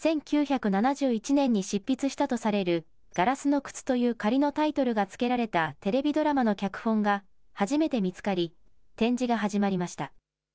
１９７１年に執筆したとされるガラスの靴という仮のタイトルがつけられたテレビドラマの脚本が初めて見つかり展示が始まりました。